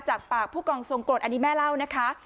จากปากผู้กองทรงกรดอันนี้แม่เล่านะคะ